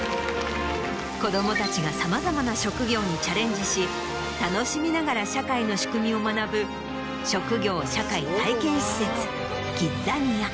子どもたちがさまざまな職業にチャレンジし楽しみながら社会の仕組みを学ぶ職業・社会体験施設キッザニア。